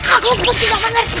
aku pun tidak mengerti